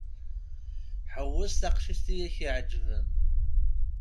Ḥewwes taqcict i ak-iɛejben.